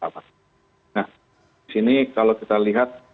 nah disini kalau kita lihat